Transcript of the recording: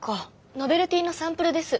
ノベルティのサンプルです。